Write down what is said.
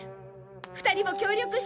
２人も協力して！